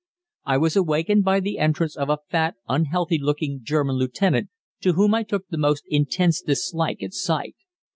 I was awakened by the entrance of a fat, unhealthy looking German lieutenant, to whom I took the most intense dislike at sight.